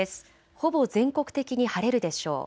ほぼ全国的に晴れるでしょう。